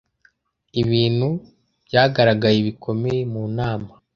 ibintu byagaragaye bikomeye mu nama